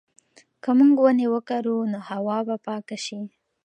که موږ ونې وکرو نو هوا به پاکه شي.